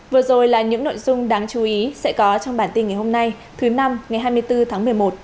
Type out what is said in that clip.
vừa rồi là những nội dung đáng chú ý sẽ có trong bản tin ngày hôm nay thứ năm ngày hai mươi bốn tháng một mươi một